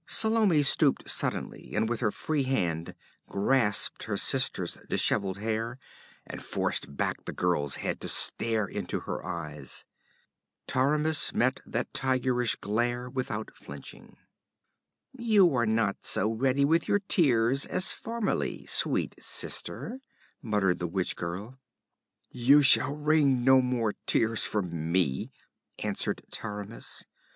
Salome stooped suddenly and with her free hand grasped her sister's dishevelled hair and forced back the girl's head to stare into her eyes. Taramis met that tigerish glare without flinching. 'You are not so ready with your tears as formerly, sweet sister,' muttered the witch girl. 'You shall wring no more tears from me,' answered Taramis.